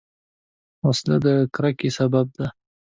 وسله د کرکې سبب ده